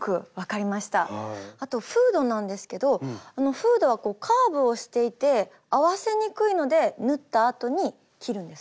あとフードなんですけどフードはこうカーブをしていて合わせにくいので縫ったあとに切るんですか？